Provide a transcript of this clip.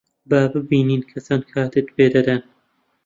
با ببینین کە چەند کاتت پێ دەدەن.